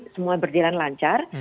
semua berjalan lancar